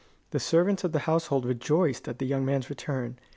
The servants of the household rejoiced at the young master's return.